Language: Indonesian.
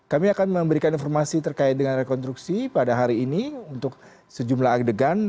kami akan memberikan informasi terkait dengan rekonstruksi pada hari ini untuk sejumlah adegan